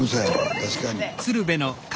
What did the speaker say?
確かに。